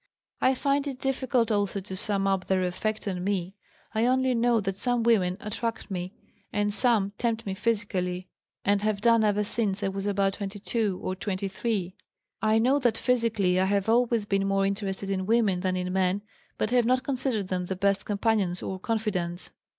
"I find it difficult also to sum up their effect on me. I only know that some women attract me and some tempt me physically, and have done ever since I was about 22 or 23. I know that psychically I have always been more interested in women than in men, but have not considered them the best companions or confidants.